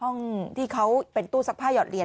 ห้องที่เขาเป็นตู้ซักผ้าหอดเรียน